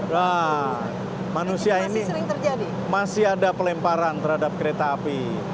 nah manusia ini masih ada pelemparan terhadap kereta api